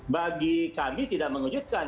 bagi kami tidak mengejutkan